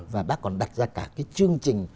và bác còn đặt ra cả cái chương trình